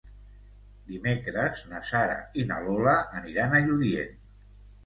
Dimecres na Sara i na Lola aniran a Lludient.